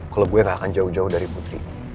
kalau gue gak akan jauh jauh dari putri